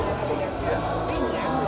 kita tidak akan berada diaro aro